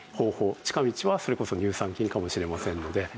近道はそれこそ乳酸菌かもしれませんので。